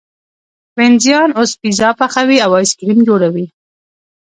وینزیان اوس پیزا پخوي او ایس کریم جوړوي.